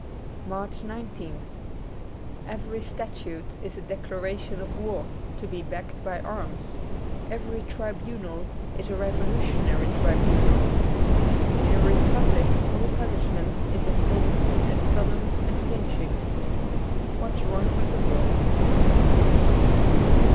^ 84 MARCH 19th EVERY statute is a declaration of war, to be backed by arms. Every tribunal is a revolu tionary tribunal. In a republic all punish ment is as sacred and solemn as lynching. 'What's Wrong with the World.'